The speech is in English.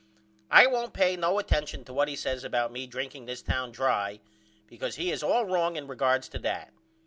I won't pay no attention to what he says about me drinking this town dry because he is all wrong in regards to that.